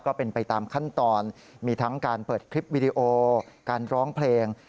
ก็เป็นไปตามขั้นตอนมีทั้งการเปิดคลิปวิดีโอการร้องเพลง